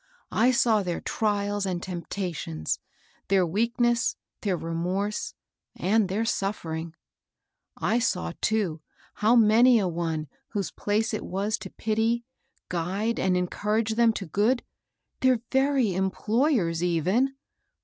I saw their trials and tempta tions, their weakness, their remorse, and their suffering. I saw too, how many a one whose place it was to pity, guide and encourage them to good, — their very employers even!